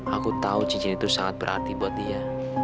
aku tahu cincin itu sangat berarti buat dia